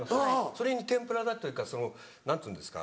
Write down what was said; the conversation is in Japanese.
それに天ぷらだというかその何ていうんですか。